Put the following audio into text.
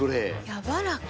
やわらか。